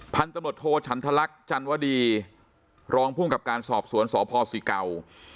พันธนโทโฉันทะลักษณ์จันวดีรองพุ่งกับการสอบสวนสพสิเก่า